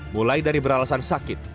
mulai dari beralasan sakit